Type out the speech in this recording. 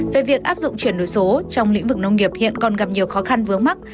về việc áp dụng chuyển đổi số trong lĩnh vực nông nghiệp hiện còn gặp nhiều khó khăn vướng mắt